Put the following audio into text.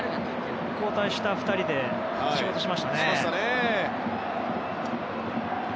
交代した２人で仕事しましたね。